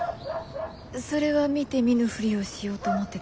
それは見て見ぬふりをしようと思ってたんだけど。